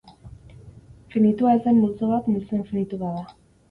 Finitua ez den multzo bat multzo infinitu bat da.